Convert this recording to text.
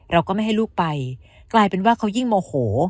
เราก็ไม่ให้ลูกไปกลายเป็นว่าเขายิ่งโมโห